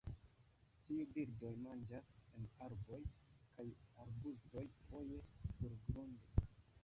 Tiuj birdoj manĝas en arboj kaj arbustoj, foje surgrunde.